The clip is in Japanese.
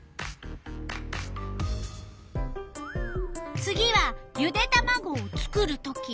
次はゆでたまごを作るとき。